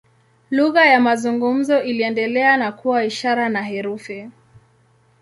Lugha ya mazungumzo iliendelea na kuwa ishara na herufi.